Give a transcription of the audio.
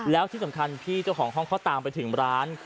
แล้วที่สำคัญพี่เจ้าของห้องเขาตามไปถึงร้าน